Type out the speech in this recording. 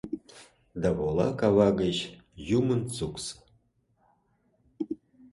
...Да вола кава гыч Юмын Суксо: